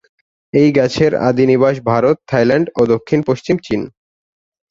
এই গাছের আদি নিবাস ভারত, থাইল্যান্ড ও দক্ষিণ-পশ্চিম চীন।